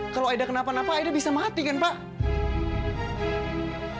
kalau aida kenapa napa aida bisa mati kan pak